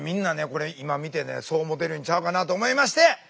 これ今見てねそう思うてるんちゃうかなと思いまして！